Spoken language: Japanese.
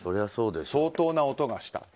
相当な音がしたと。